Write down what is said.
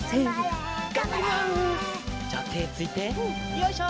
よいしょ！